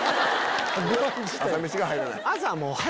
⁉朝飯が入らない。